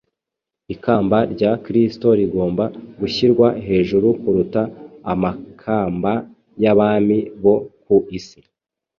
Ikamba rya Kristo rigomba gushyirwa hejuru kuruta amakamba y’abami bo ku isi.